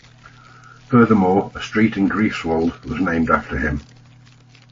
Furthermore, a street in Greifswald was named after him.